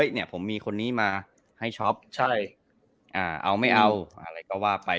เห้ยผมมีคนนี้มาให้ช็อปเอาไม่เอาอะไรก็ว่าไป